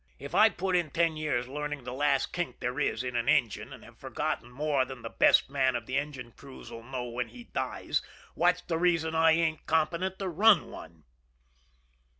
If I've put in ten years learning the last kink there is in an engine, and have forgotten more than the best man of the engine crews 'll know when he dies, what's the reason I ain't competent to run one?"